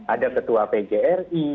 ada ketua pgri